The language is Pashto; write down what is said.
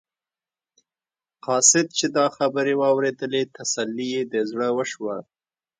قاصد چې دا خبرې واورېدلې تسلي یې د زړه وشوله.